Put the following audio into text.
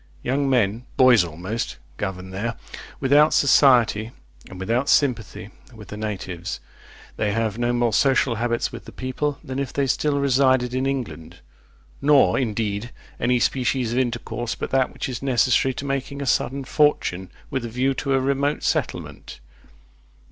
Young men (boys almost) govern there, without society, and without sympathy with the natives. They have no more social habits with the people, than if they still resided in England; nor, indeed, any species of intercourse but that which is necessary to making a sudden fortune, with a view to a remote settlement.